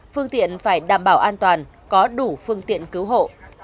phương tiện phải đảm bảo an toàn có đủ phương tiện cứu hộ